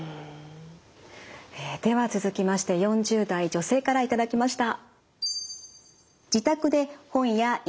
では続きまして４０代女性から頂きました。